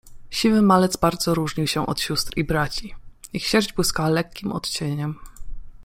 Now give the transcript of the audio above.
Siwy malec bardzo różnił się od sióstr i braci. Ich sierść błyskała lekkim odcieniem